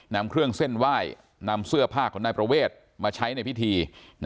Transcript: นำเครื่องเส้นไหว้นำเสื้อผ้าของนายประเวทมาใช้ในพิธี